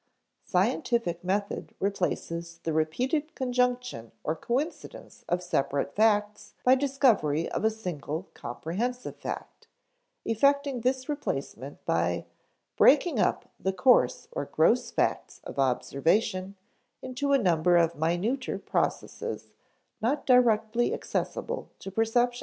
Scientific method replaces the repeated conjunction or coincidence of separate facts by discovery of a single comprehensive fact, effecting this replacement by _breaking up the coarse or gross facts of observation into a number of minuter processes not directly accessible to perception_.